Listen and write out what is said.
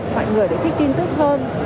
mọi người đều thích tin tức hơn